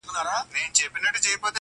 د سندرو سره غبرګي وايي ساندي؛